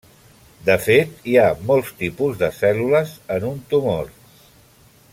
De fet hi ha molts tipus de cèl·lules en un tumor.